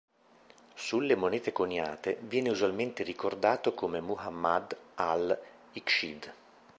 Sulle monete coniate, viene usualmente ricordato come "Muḥammad al-Ikhshīd".